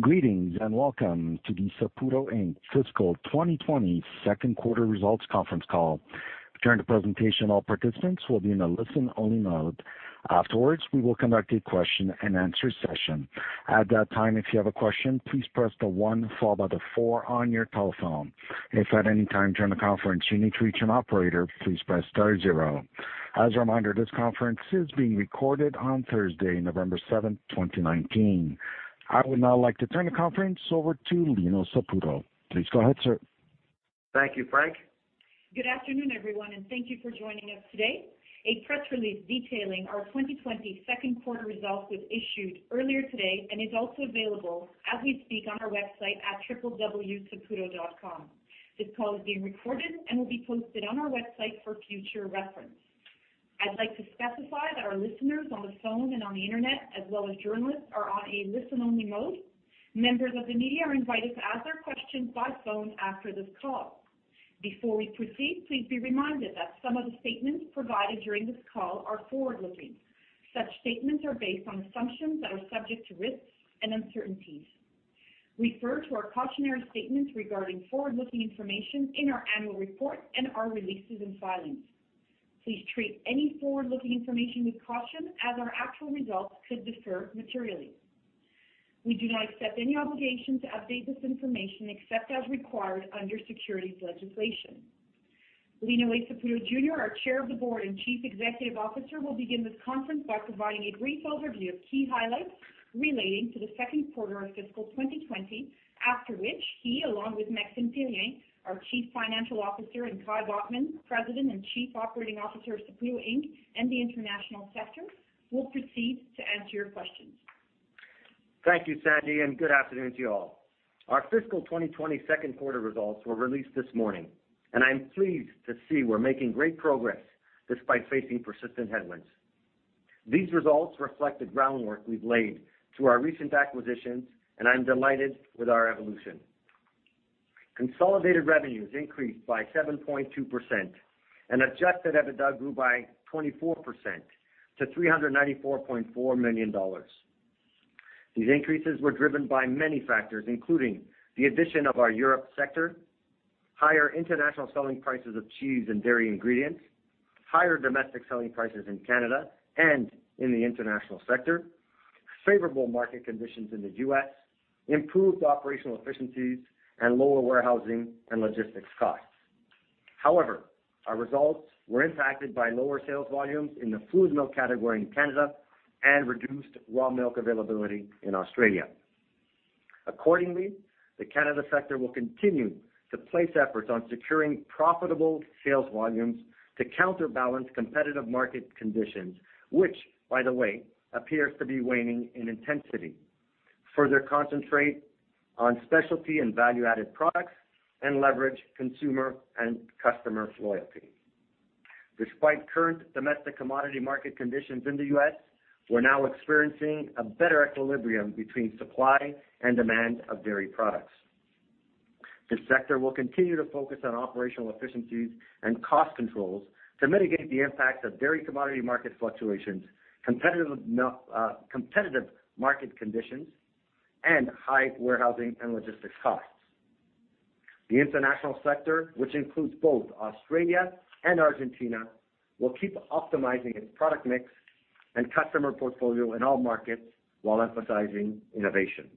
Greetings and welcome to the Saputo Inc. Fiscal 2020 second quarter results conference call. During the presentation, all participants will be in a listen-only mode. Afterwards, we will conduct a question and answer session. At that time, if you have a question, please press the one followed by the four on your telephone. If at any time during the conference you need to reach an operator, please press star zero. As a reminder, this conference is being recorded on Thursday, November 7th, 2019. I would now like to turn the conference over to Lino Saputo. Please go ahead, sir. Thank you, Frank. Good afternoon, everyone, and thank you for joining us today. A press release detailing our 2020 second-quarter results was issued earlier today and is also available as we speak on our website at www.saputo.com. This call is being recorded and will be posted on our website for future reference. I'd like to specify that our listeners on the phone and on the internet, as well as journalists, are on a listen-only mode. Members of the media are invited to ask their questions by phone after this call. Before we proceed, please be reminded that some of the statements provided during this call are forward-looking. Such statements are based on assumptions that are subject to risks and uncertainties. Refer to our cautionary statements regarding forward-looking information in our annual report and our releases and filings. Please treat any forward-looking information with caution, as our actual results could differ materially. We do not accept any obligation to update this information except as required under securities legislation. Lino A. Saputo Jr., our Chair of the Board and Chief Executive Officer, will begin this conference by providing a brief overview of key highlights relating to the second quarter of fiscal 2020, after which he, along with Maxime Therrien, our Chief Financial Officer, and Kai Bockmann, President and Chief Operating Officer of Saputo Inc. and the International sector, will proceed to answer your questions. Thank you, Sandy, and good afternoon to you all. Our fiscal 2020 second-quarter results were released this morning, and I'm pleased to see we're making great progress despite facing persistent headwinds. These results reflect the groundwork we've laid through our recent acquisitions, and I'm delighted with our evolution. Consolidated revenues increased by 7.2%, and adjusted EBITDA grew by 24% to 394.4 million dollars. These increases were driven by many factors, including the addition of our Europe sector, higher international selling prices of cheese and dairy ingredients, higher domestic selling prices in Canada and in the international sector, favorable market conditions in the U.S., improved operational efficiencies, and lower warehousing and logistics costs. However, our results were impacted by lower sales volumes in the fluid milk category in Canada and reduced raw milk availability in Australia. Accordingly, the Canada Sector will continue to place efforts on securing profitable sales volumes to counterbalance competitive market conditions, which, by the way, appears to be waning in intensity, further concentrate on specialty and value-added products, and leverage consumer and customer loyalty. Despite current domestic commodity market conditions in the U.S., we're now experiencing a better equilibrium between supply and demand of dairy products. This sector will continue to focus on operational efficiencies and cost controls to mitigate the impact of dairy commodity market fluctuations, competitive market conditions, and high warehousing and logistics costs. The International Sector, which includes both Australia and Argentina, will keep optimizing its product mix and customer portfolio in all markets while emphasizing innovation.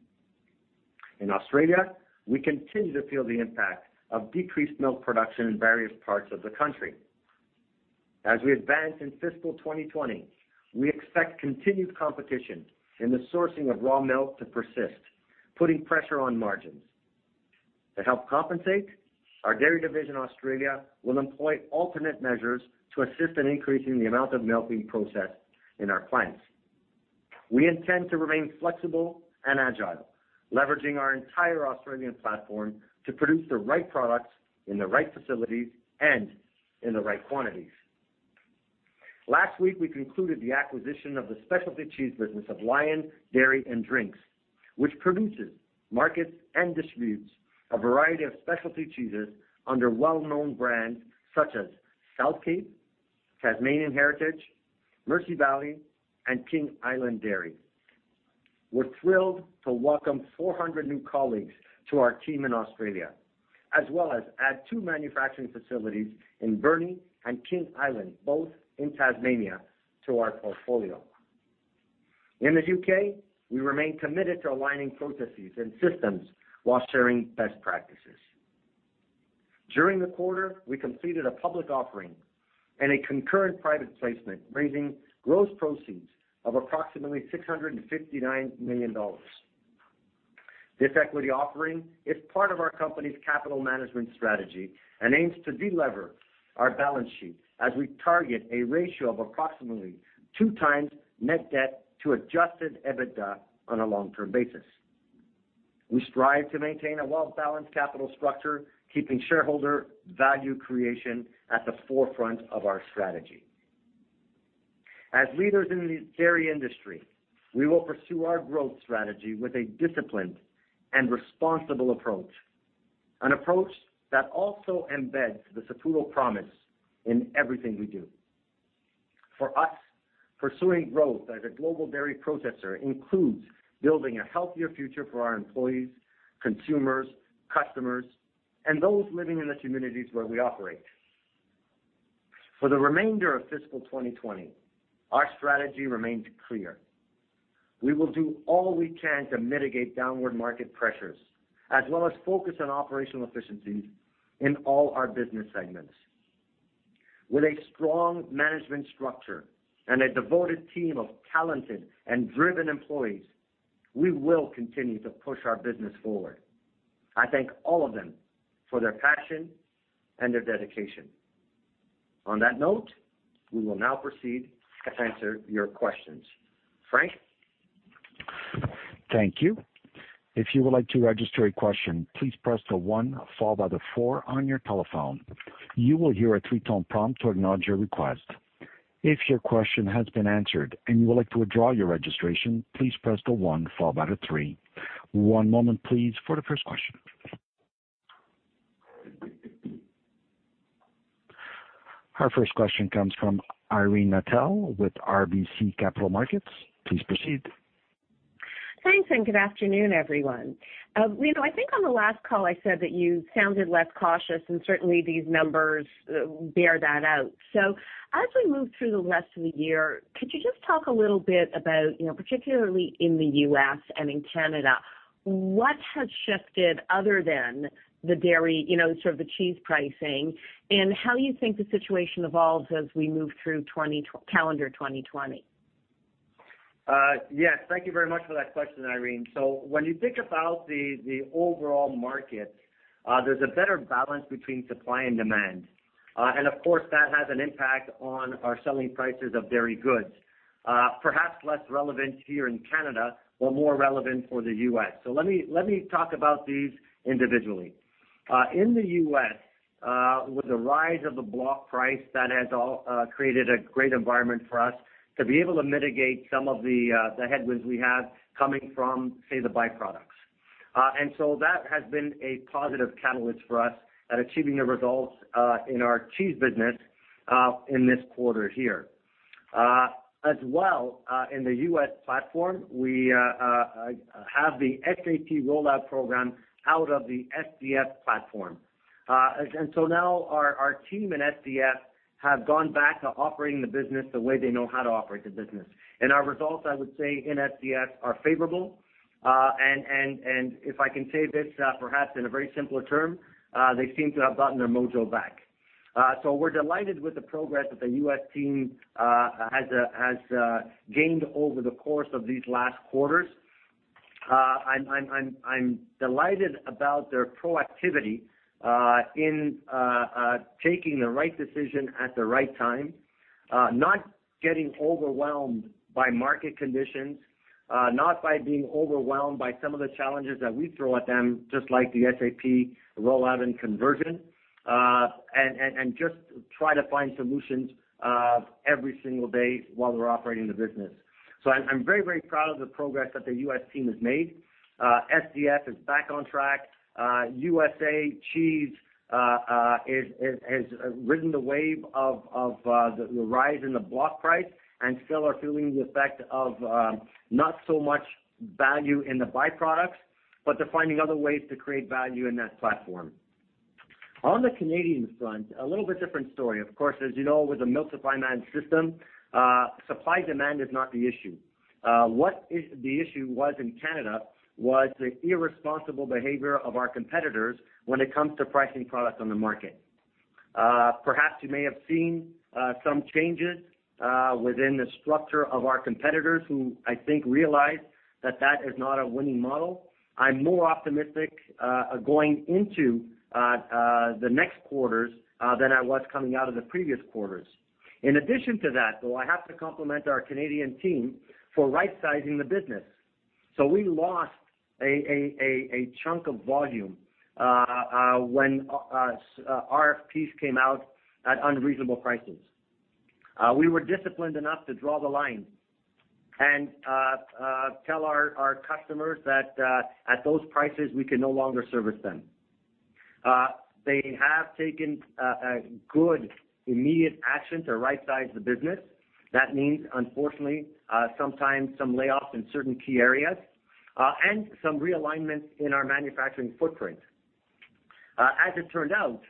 In Australia, we continue to feel the impact of decreased milk production in various parts of the country. As we advance in fiscal 2020, we expect continued competition in the sourcing of raw milk to persist, putting pressure on margins. To help compensate, our Saputo Dairy Australia will employ alternate measures to assist in increasing the amount of milk being processed in our plants. We intend to remain flexible and agile, leveraging our entire Australian platform to produce the right products in the right facilities and in the right quantities. Last week, we concluded the acquisition of the specialty cheese business of Lion Dairy and Drinks, which produces markets and distributes a variety of specialty cheeses under well-known brands such as South Cape, Tasmanian Heritage, Mersey Valley, and King Island Dairy. We're thrilled to welcome 400 new colleagues to our team in Australia, as well as add two manufacturing facilities in Burnie and King Island, both in Tasmania, to our portfolio. In the U.K., we remain committed to aligning processes and systems while sharing best practices. During the quarter, we completed a public offering and a concurrent private placement, raising gross proceeds of approximately 659 million dollars. This equity offering is part of our company's capital management strategy and aims to delever our balance sheet as we target a ratio of approximately two times net debt to adjusted EBITDA on a long-term basis. We strive to maintain a well-balanced capital structure, keeping shareholder value creation at the forefront of our strategy. As leaders in the dairy industry, we will pursue our growth strategy with a disciplined and responsible approach, an approach that also embeds the Saputo Promise in everything we do. For us, pursuing growth as a global dairy processor includes building a healthier future for our employees, consumers, customers, and those living in the communities where we operate. For the remainder of fiscal 2020, our strategy remains clear. We will do all we can to mitigate downward market pressures, as well as focus on operational efficiencies in all our business segments. With a strong management structure and a devoted team of talented and driven employees, we will continue to push our business forward. I thank all of them for their passion and their dedication. On that note, we will now proceed to answer your questions. Frank? Thank you. If you would like to register a question, please press the one followed by the four on your telephone. You will hear a three-tone prompt to acknowledge your request. If your question has been answered and you would like to withdraw your registration, please press the one followed by the three. One moment please for the first question. Our first question comes from Irene Nattel with RBC Capital Markets. Please proceed. Thanks, good afternoon, everyone. Lino, I think on the last call I said that you sounded less cautious and certainly these numbers bear that out. As we move through the rest of the year, could you just talk a little bit about, particularly in the U.S. and in Canada, what has shifted other than the sort of the cheese pricing and how you think the situation evolves as we move through calendar 2020? Yes. Thank you very much for that question, Irene. When you think about the overall market, there's a better balance between supply and demand. Of course, that has an impact on our selling prices of dairy goods. Perhaps less relevant here in Canada, but more relevant for the U.S. Let me talk about these individually. In the U.S., with the rise of the block price that has created a great environment for us to be able to mitigate some of the headwinds we have coming from, say, the byproducts. That has been a positive catalyst for us at achieving the results in our cheese business in this quarter here. As well, in the U.S. platform, we have the SAP rollout program out of the SDF platform. Now our team in SDF have gone back to operating the business the way they know how to operate the business. Our results, I would say, in SDF are favorable. If I can say this perhaps in a very simpler term, they seem to have gotten their mojo back. We're delighted with the progress that the U.S. team has gained over the course of these last quarters. I'm delighted about their proactivity in taking the right decision at the right time, not getting overwhelmed by market conditions, not by being overwhelmed by some of the challenges that we throw at them, just like the SAP rollout and conversion, and just try to find solutions every single day while we're operating the business. I'm very proud of the progress that the U.S. team has made. SDF is back on track. USA Cheese has ridden the wave of the rise in the block price and still are feeling the effect of not so much value in the byproducts. They're finding other ways to create value in that platform. On the Canadian front, a little bit different story. Of course, as you know, with the milk supply management system, supply demand is not the issue. What the issue was in Canada was the irresponsible behavior of our competitors when it comes to pricing products on the market. Perhaps you may have seen some changes within the structure of our competitors who I think realized that that is not a winning model. I'm more optimistic going into the next quarters than I was coming out of the previous quarters. In addition to that, though, I have to compliment our Canadian team for rightsizing the business. We lost a chunk of volume when RFPs came out at unreasonable prices. We were disciplined enough to draw the line and tell our customers that at those prices we can no longer service them. They have taken good immediate action to rightsize the business. That means, unfortunately, sometimes some layoffs in certain key areas, and some realignment in our manufacturing footprint. As it turned out,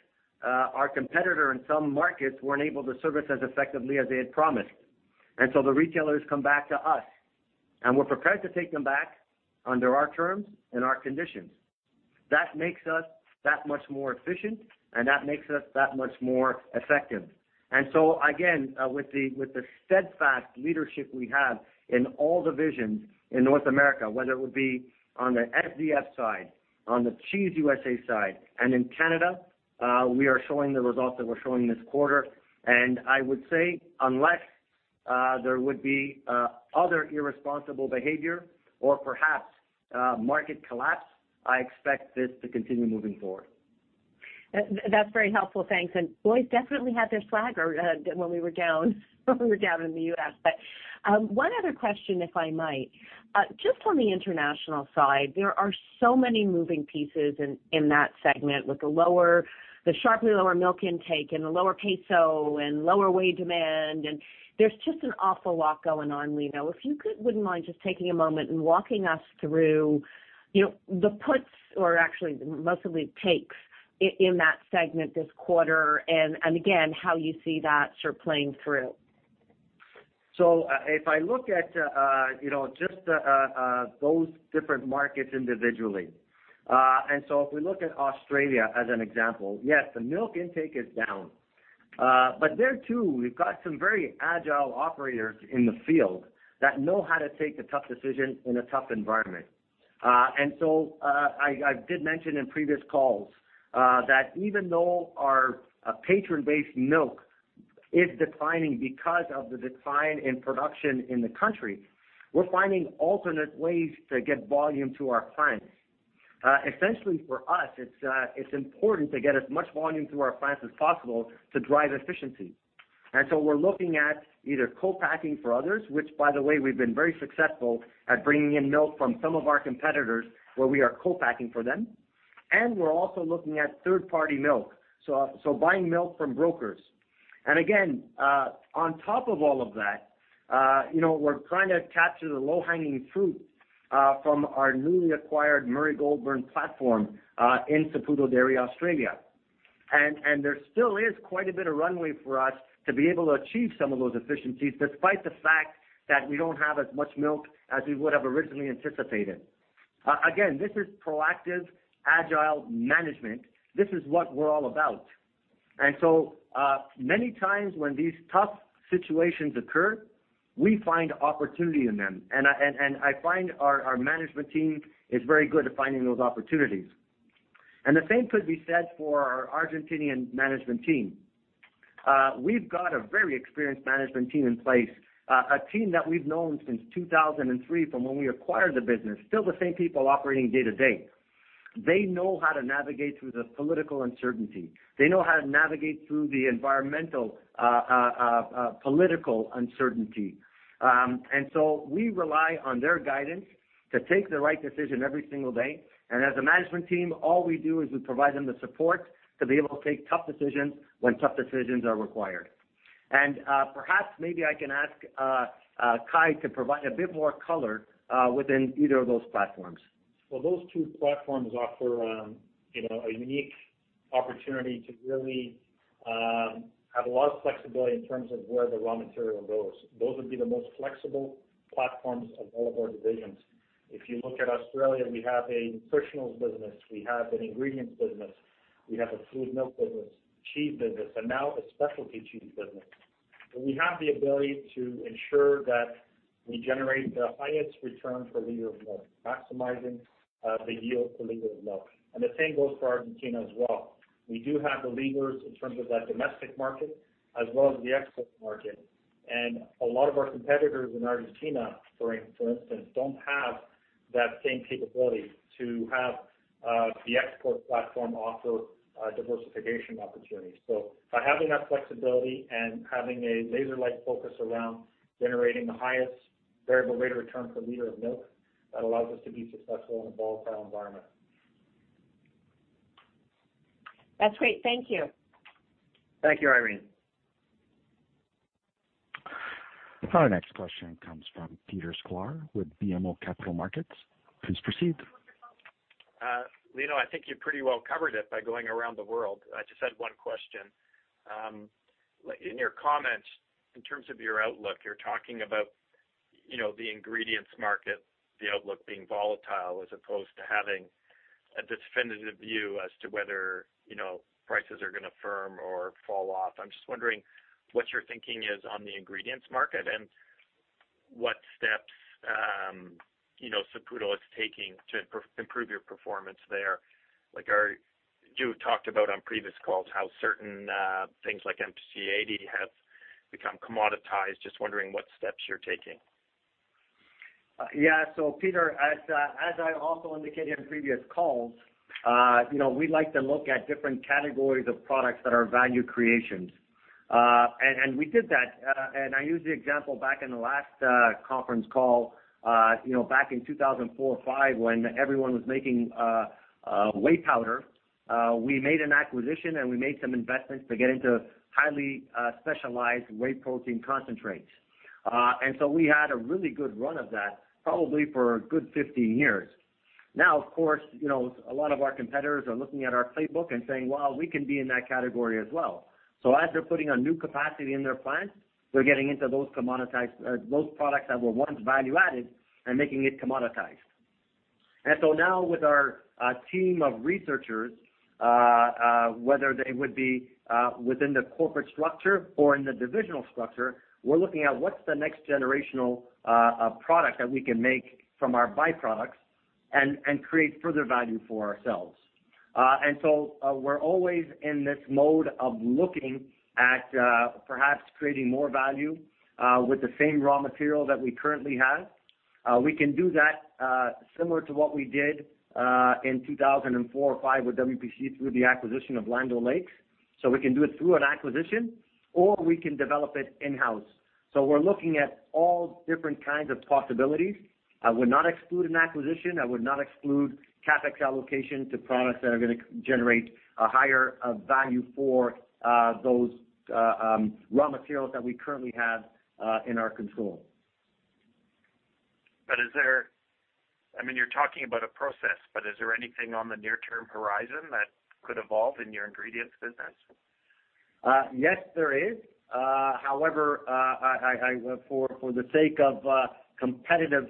our competitor in some markets weren't able to service as effectively as they had promised. The retailers come back to us, and we're prepared to take them back under our terms and our conditions. That makes us that much more efficient, and that makes us that much more effective. Again, with the steadfast leadership we have in all divisions in North America, whether it would be on the SDF side, on the Cheese USA side, and in Canada, we are showing the results that we're showing this quarter. I would say unless there would be other irresponsible behavior or perhaps market collapse, I expect this to continue moving forward. That's very helpful, thanks. Boys definitely had their flag when we were down in the U.S. One other question, if I might. Just on the international side, there are so many moving pieces in that segment with the sharply lower milk intake and the lower peso and lower whey demand. There's just an awful lot going on, Lino. If you wouldn't mind just taking a moment and walking us through the puts or actually mostly takes in that segment this quarter and again, how you see that sort of playing through. If I look at just those different markets individually, if we look at Australia as an example, yes, the milk intake is down. There too, we've got some very agile operators in the field that know how to take the tough decision in a tough environment. I did mention in previous calls that even though our patron-based milk is declining because of the decline in production in the country, we're finding alternate ways to get volume to our plants. Essentially for us, it's important to get as much volume through our plants as possible to drive efficiency. We're looking at either co-packing for others, which by the way, we've been very successful at bringing in milk from some of our competitors where we are co-packing for them, and we're also looking at third-party milk, so buying milk from brokers. Again, on top of all of that, we're trying to capture the low-hanging fruit from our newly acquired Murray Goulburn platform in Saputo Dairy Australia. There still is quite a bit of runway for us to be able to achieve some of those efficiencies, despite the fact that we don't have as much milk as we would have originally anticipated. Again, this is proactive, agile management. This is what we're all about. Many times when these tough situations occur, we find opportunity in them. I find our management team is very good at finding those opportunities. The same could be said for our Argentinian management team. We've got a very experienced management team in place, a team that we've known since 2003 from when we acquired the business, still the same people operating day-to-day. They know how to navigate through the political uncertainty. They know how to navigate through the environmental, political uncertainty. We rely on their guidance to take the right decision every single day. As a management team, all we do is we provide them the support to be able to take tough decisions when tough decisions are required. Perhaps maybe I can ask Kai to provide a bit more color within either of those platforms. Those two platforms offer a unique opportunity to really have a lot of flexibility in terms of where the raw material goes. Those would be the most flexible platforms of all of our divisions. If you look at Australia, we have a nutritionals business, we have an ingredients business, we have a fluid milk business, cheese business, and now a specialty cheese business. We have the ability to ensure that we generate the highest return per liter of milk, maximizing the yield per liter of milk. The same goes for Argentina as well. We do have the leaders in terms of that domestic market as well as the export market. A lot of our competitors in Argentina, for instance, don't have that same capability to have the export platform offer diversification opportunities. By having that flexibility and having a laser-like focus around generating the highest variable rate of return per liter of milk, that allows us to be successful in a volatile environment. That's great. Thank you. Thank you, Irene. Our next question comes from Peter Sklar with BMO Capital Markets. Please proceed. Lino, I think you pretty well covered it by going around the world. I just had one question. In your comments in terms of your outlook, you're talking about the ingredients market, the outlook being volatile as opposed to having a definitive view as to whether prices are going to firm or fall off. I'm just wondering what your thinking is on the ingredients market and what steps Saputo is taking to improve your performance there. Like you talked about on previous calls, how certain things like MPC80 have become commoditized. Just wondering what steps you're taking. Peter, as I also indicated in previous calls, we like to look at different categories of products that are value creations. We did that, and I used the example back in the last conference call, back in 2004 or 2005 when everyone was making whey powder, we made an acquisition, and we made some investments to get into highly specialized whey protein concentrates. We had a really good run of that probably for a good 15 years. Of course, a lot of our competitors are looking at our playbook and saying, "Well, we can be in that category as well." As they're putting on new capacity in their plants, they're getting into those commoditized, those products that were once value-added and making it commoditized. Now with our team of researchers, whether they would be within the corporate structure or in the divisional structure, we're looking at what's the next generational product that we can make from our byproducts and create further value for ourselves. We're always in this mode of looking at perhaps creating more value with the same raw material that we currently have. We can do that similar to what we did in 2004 or 2005 with WPC through the acquisition of Land O'Lakes. We can do it through an acquisition or we can develop it in-house. We're looking at all different kinds of possibilities. I would not exclude an acquisition. I would not exclude CapEx allocation to products that are going to generate a higher value for those raw materials that we currently have in our control. You're talking about a process, but is there anything on the near-term horizon that could evolve in your ingredients business? Yes, there is. For the sake of competitive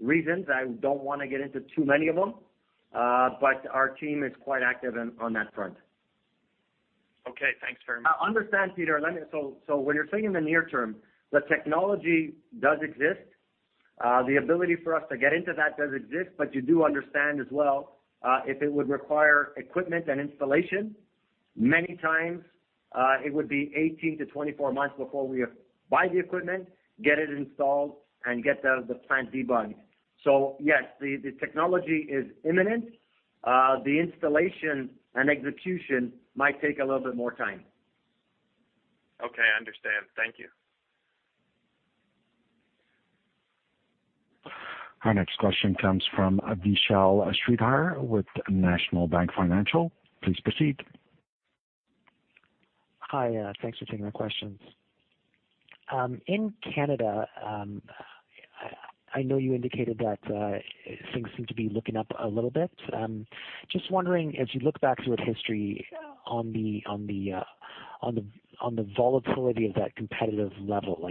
reasons, I don't want to get into too many of them. Our team is quite active on that front. Okay, thanks very much. Understand, Peter. When you're thinking the near term, the technology does exist. The ability for us to get into that does exist, but you do understand as well, if it would require equipment and installation, many times it would be 18-24 months before we buy the equipment, get it installed, and get the plant debugged. Yes, the technology is imminent. The installation and execution might take a little bit more time. Okay, I understand. Thank you. Our next question comes from Vishal Shreedhar with National Bank Financial. Please proceed. Hi, thanks for taking my questions. In Canada, I know you indicated that things seem to be looking up a little bit. Just wondering, as you look back through history on the volatility of that competitive level,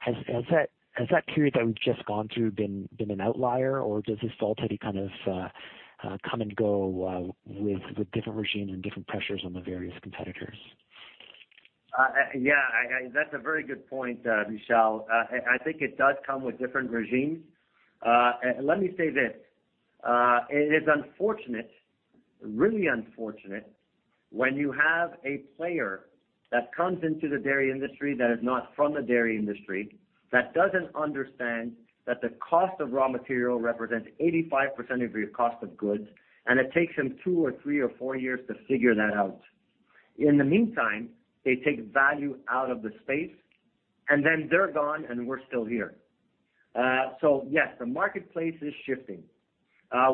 has that period that we've just gone through been an outlier or does this volatility kind of come and go with different regimes and different pressures on the various competitors? Yeah, that's a very good point, Vishal. I think it does come with different regimes. Let me say this. It is unfortunate, really unfortunate, when you have a player that comes into the dairy industry that is not from the dairy industry, that doesn't understand that the cost of raw material represents 85% of your cost of goods, and it takes them two or three or four years to figure that out. In the meantime, they take value out of the space, and then they're gone and we're still here. Yes, the marketplace is shifting.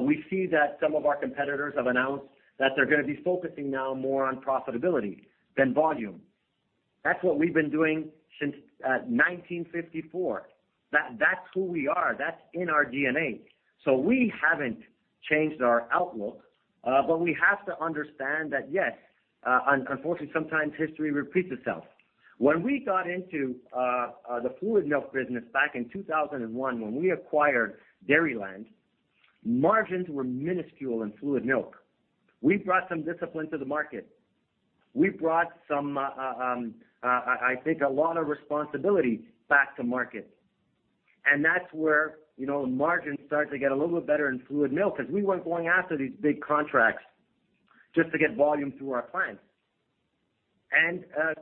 We see that some of our competitors have announced that they're going to be focusing now more on profitability than volume. That's what we've been doing since 1954. That's who we are. That's in our DNA. We haven't changed our outlook, but we have to understand that, yes, unfortunately, sometimes history repeats itself. When we got into the fluid milk business back in 2001, when we acquired Dairyland, margins were minuscule in fluid milk. We brought some discipline to the market. We brought some, I think, a lot of responsibility back to market. That's where margins started to get a little bit better in fluid milk because we weren't going after these big contracts just to get volume through our plants.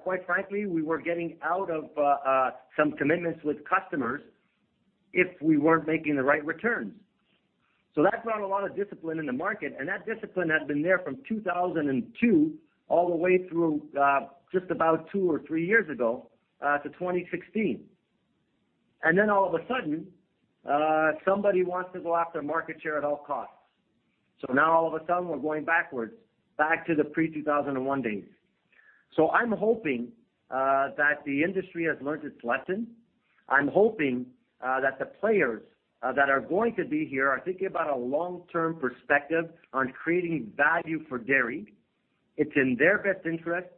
Quite frankly, we were getting out of some commitments with customers if we weren't making the right returns. That brought a lot of discipline in the market, and that discipline has been there from 2002 all the way through just about two or three years ago to 2016. All of a sudden, somebody wants to go after market share at all costs. Now all of a sudden, we're going backwards, back to the pre-2001 days. I'm hoping that the industry has learned its lesson. I'm hoping that the players that are going to be here are thinking about a long-term perspective on creating value for dairy. It's in their best interest,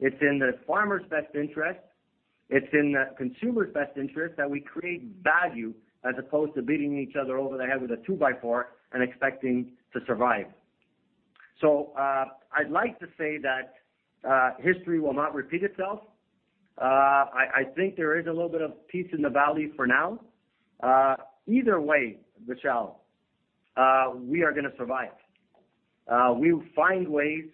it's in the farmer's best interest, it's in the consumer's best interest that we create value as opposed to beating each other over the head with a two-by-four and expecting to survive. I'd like to say that history will not repeat itself. I think there is a little bit of peace in the valley for now. Either way, Vishal, we are going to survive. We will find ways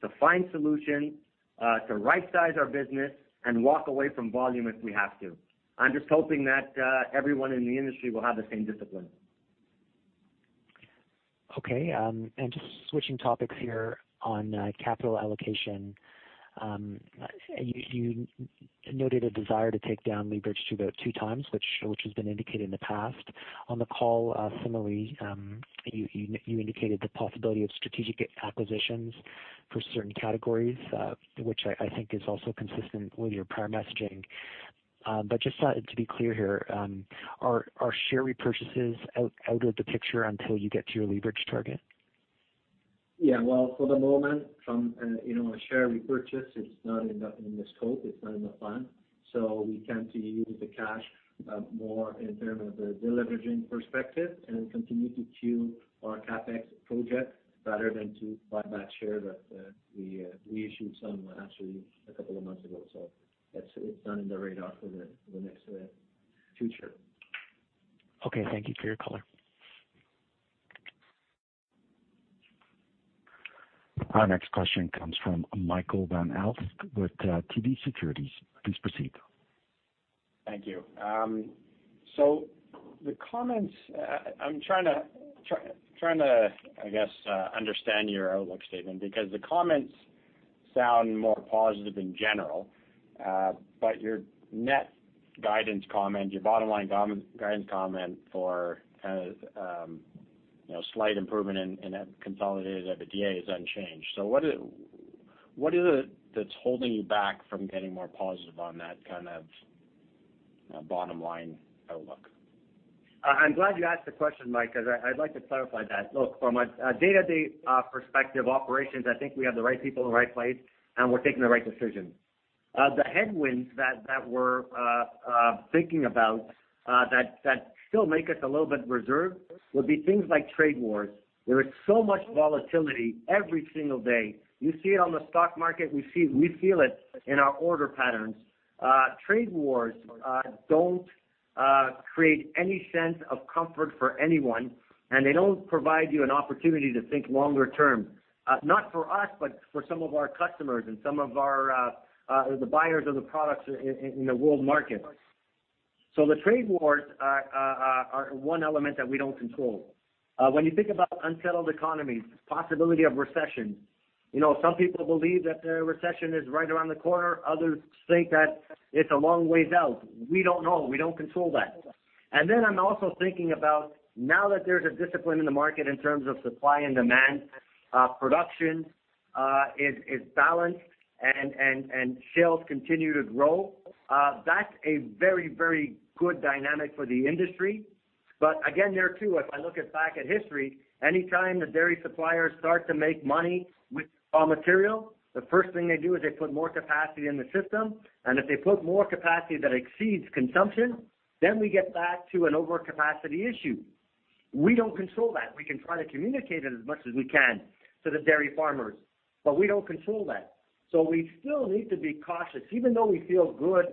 to find solutions, to rightsize our business and walk away from volume if we have to. I'm just hoping that everyone in the industry will have the same discipline. Just switching topics here on capital allocation. You noted a desire to take down leverage to about 2 times, which has been indicated in the past. On the call, similarly, you indicated the possibility of strategic acquisitions for certain categories, which I think is also consistent with your prior messaging. Just to be clear here, are share repurchases out of the picture until you get to your leverage target? Well, for the moment, a share repurchase is not in the scope, it's not in the plan. We tend to use the cash more in terms of the deleveraging perspective and continue to queue our CapEx projects rather than to buy back share that we issued some actually a couple of months ago. It's not in the radar for the next future. Okay. Thank you for your color. Our next question comes from Michael Van Aelst with TD Securities. Please proceed. Thank you. The comments, I'm trying to, I guess, understand your outlook statement because the comments sound more positive in general, but your net guidance comment, your bottom line guidance comment for slight improvement in that consolidated EBITDA is unchanged. What is it that's holding you back from getting more positive on that kind of bottom line outlook? I'm glad you asked the question, Mike, because I'd like to clarify that. Look, from a day-to-day perspective, operations, I think we have the right people in the right place and we're taking the right decisions. The headwinds that we're thinking about that still make us a little bit reserved would be things like trade wars. There is so much volatility every single day. You see it on the stock market. We feel it in our order patterns. Trade wars don't create any sense of comfort for anyone, and they don't provide you an opportunity to think longer term, not for us, but for some of our customers and some of the buyers of the products in the world market. The trade wars are one element that we don't control. When you think about unsettled economies, possibility of recession, some people believe that the recession is right around the corner. Others think that it's a long way out. We don't know. We don't control that. I'm also thinking about now that there's a discipline in the market in terms of supply and demand, production is balanced and sales continue to grow. That's a very good dynamic for the industry. There too, if I look back at history, any time the dairy suppliers start to make money with raw material, the first thing they do is they put more capacity in the system, and if they put more capacity that exceeds consumption, then we get back to an overcapacity issue. We don't control that. We can try to communicate it as much as we can to the dairy farmers, but we don't control that. We still need to be cautious even though we feel good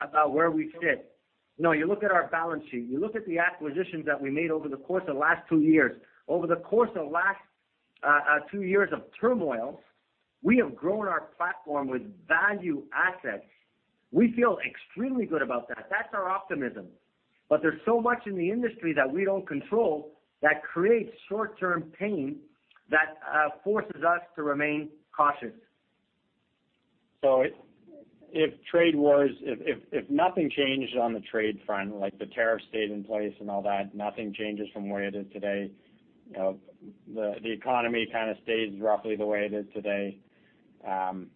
about where we fit. You look at our balance sheet, you look at the acquisitions that we made over the course of the last two years. Over the course of the last two years of turmoil, we have grown our platform with value assets. We feel extremely good about that. That's our optimism. There's so much in the industry that we don't control that creates short-term pain that forces us to remain cautious. If nothing changed on the trade front, like the tariff stayed in place and all that, nothing changes from where it is today, the economy kind of stays roughly the way it is today, there's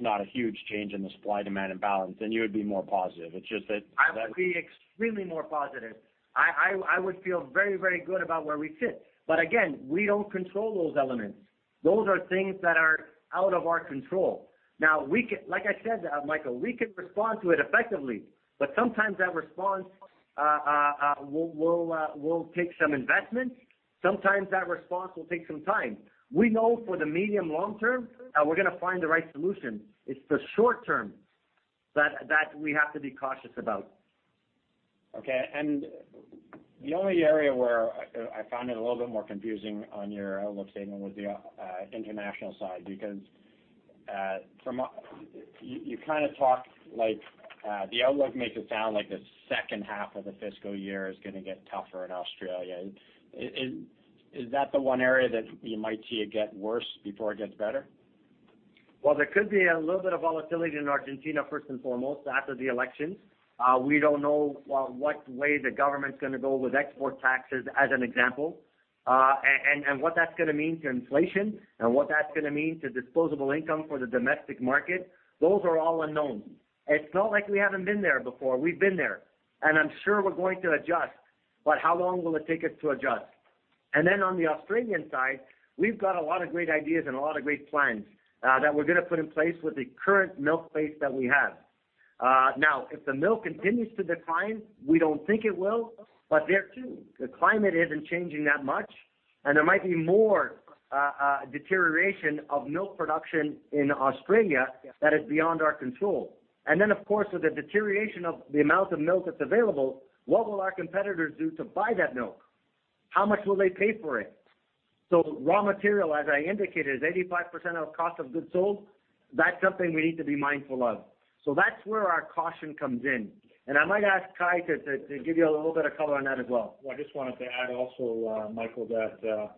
not a huge change in the supply, demand and balance, you would be more positive. I would be extremely more positive. I would feel very good about where we sit. Again, we don't control those elements. Those are things that are out of our control. Like I said, Michael, we can respond to it effectively, but sometimes that response will take some investment. Sometimes that response will take some time. We know for the medium long term, we're going to find the right solution. It's the short term that we have to be cautious about. Okay. The only area where I found it a little bit more confusing on your outlook statement was the international side, because you kind of talk like the outlook makes it sound like the second half of the fiscal year is going to get tougher in Australia. Is that the one area that you might see it get worse before it gets better? Well, there could be a little bit of volatility in Argentina, first and foremost, after the elections. We don't know what way the government's going to go with export taxes as an example, and what that's going to mean to inflation and what that's going to mean to disposable income for the domestic market. Those are all unknown. It's not like we haven't been there before. We've been there, and I'm sure we're going to adjust. How long will it take us to adjust? On the Australian side, we've got a lot of great ideas and a lot of great plans that we're going to put in place with the current milk base that we have. If the milk continues to decline, we don't think it will, but there too, the climate isn't changing that much, and there might be more deterioration of milk production in Australia that is beyond our control. Of course, with the deterioration of the amount of milk that's available, what will our competitors do to buy that milk? How much will they pay for it? Raw material, as I indicated, is 85% of cost of goods sold. That's something we need to be mindful of. That's where our caution comes in. I might ask Kai to give you a little bit of color on that as well. I just wanted to add also, Michael, that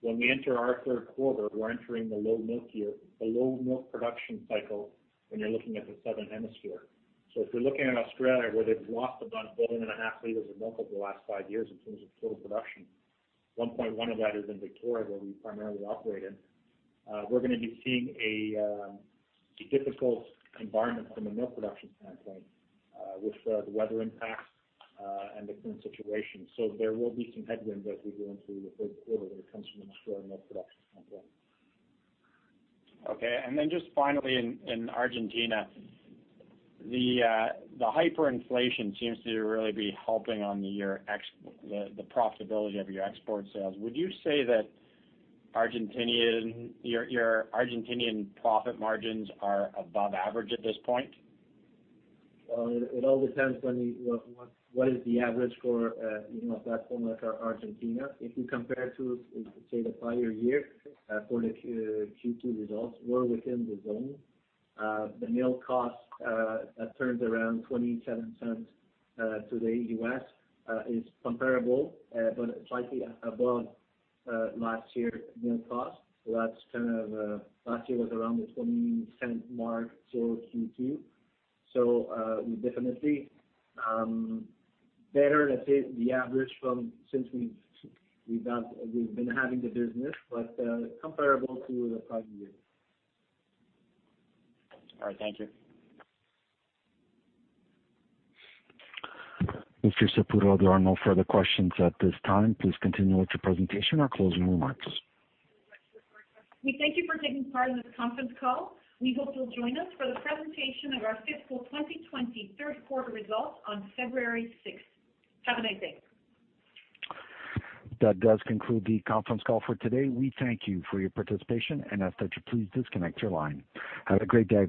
when we enter our third quarter, we're entering the low milk year, the low milk production cycle when you're looking at the Southern Hemisphere. If you're looking at Australia, where they've lost about fourteen and a half liters of milk over the last five years in terms of total production, 1.1 of that is in Victoria, where we primarily operate in. We're going to be seeing a difficult environment from a milk production standpoint with the weather impacts and the current situation. There will be some headwinds as we go into the third quarter when it comes from an Australian milk production standpoint. Okay. Just finally, in Argentina, the hyperinflation seems to really be helping on the profitability of your export sales. Would you say that your Argentinian profit margins are above average at this point? Well, it all depends what is the average for a platform like Argentina. If you compare to, say, the prior year for the Q2 results, we're within the zone. The milk cost turns around $0.27 to the U.S. is comparable, but slightly above last year's milk cost. Last year was around the $0.20 mark for Q2. We're definitely better than, say, the average since we've been having the business, but comparable to the prior year. All right. Thank you. Mr. Saputo, there are no further questions at this time. Please continue with your presentation or closing remarks. We thank you for taking part in this conference call. We hope you'll join us for the presentation of our fiscal 2020 third quarter results on February 6th. Have a nice day. That does conclude the conference call for today. We thank you for your participation and ask that you please disconnect your line. Have a great day.